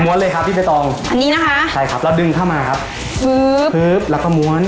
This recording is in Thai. เลยครับพี่ใบตองอันนี้นะคะใช่ครับแล้วดึงเข้ามาครับฮึบฮึบแล้วก็ม้วน